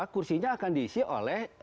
kursinya akan diisi oleh